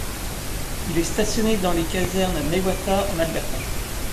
Il est stationné dans les casernes Mewata en Alberta.